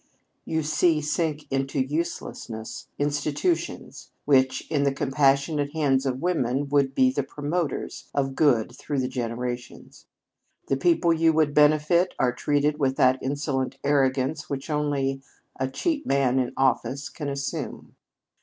You see sink into uselessness, institutions, which, in the compassionate hands of women, would be the promoters of good through the generations. The people you would benefit are treated with that insolent arrogance which only a cheap man in office can assume.